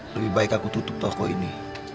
lebih baik aku tutup toko ini